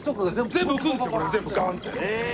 全部浮くんですよガーンって。